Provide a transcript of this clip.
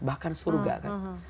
bahkan surga kan